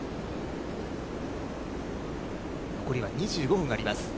残りは２５分あります。